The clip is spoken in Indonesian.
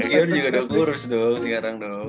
zion juga udah kurus dong sekarang dong